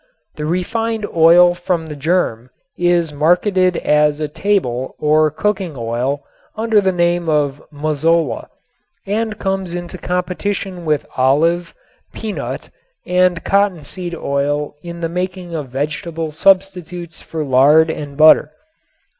The refined oil from the germ is marketed as a table or cooking oil under the name of "Mazola" and comes into competition with olive, peanut and cottonseed oil in the making of vegetable substitutes for lard and butter.